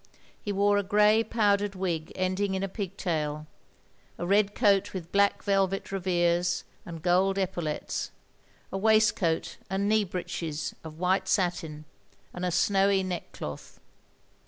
He wore a grey powdered wig ending in a pigtail; a red coat with black velvet revers and gold epau lettes; a waistcoat and knee breeches of white satin, and a snowy neck cloth.